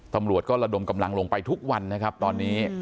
ตำรวจก็ระดมกำลังลงไปทุกวันนะครับตอนนี้